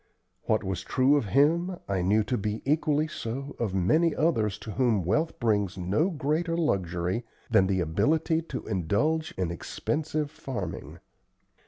What was true of him I knew to be equally so of many others to whom wealth brings no greater luxury than the ability to indulge in expensive farming.